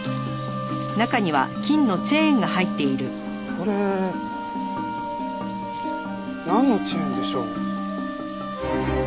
これなんのチェーンでしょう？